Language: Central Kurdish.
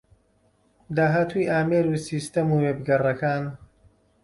داهاتووی ئامێر و سیستەم و وێبگەڕەکان